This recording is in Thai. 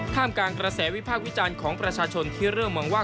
กลางกระแสวิพากษ์วิจารณ์ของประชาชนที่เริ่มมองว่า